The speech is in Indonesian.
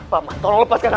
pak man tolong lepaskan ayah